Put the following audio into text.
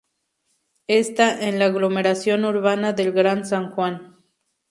Está en la aglomeración urbana del Gran San Juan.